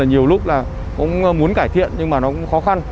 nhiều lúc cũng muốn cải thiện nhưng nó cũng khó khăn